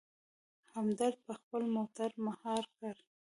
همدرد په خپله موټر مهار کړ.